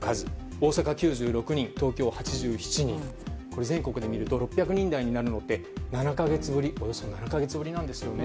大阪９６人、東京８７人全国で見ると６００人台になるのはおよそ７か月ぶりなんです。